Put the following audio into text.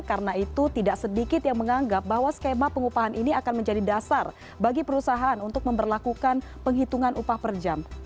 karena itu tidak sedikit yang menganggap bahwa skema pengupahan ini akan menjadi dasar bagi perusahaan untuk memperlakukan penghitungan upah per jam